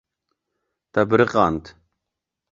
Te biriqand.